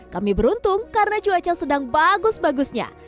kami beruntung karena cuaca sedang bagus bagusnya